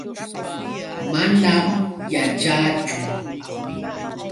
Manam yaćhaachu.